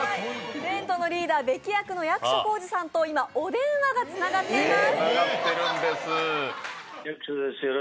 テントのリーダー・ベキ役の役所広司さんと今お電話がつながっています。